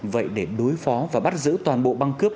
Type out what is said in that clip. vậy để đối phó và bắt giữ toàn bộ băng cướp